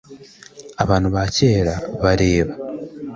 Abantu bake bareba